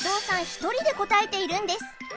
一人で答えているんです